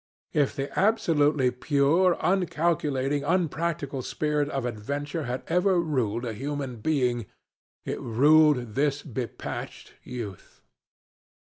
If the absolutely pure, uncalculating, unpractical spirit of adventure had ever ruled a human being, it ruled this be patched youth.